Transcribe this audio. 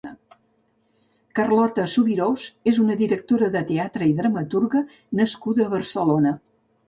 Carlota Subirós és una directora de teatre i dramaturga nascuda a Barcelona.